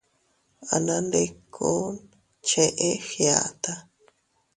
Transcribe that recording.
Anandikkuu cheʼé Fgiata.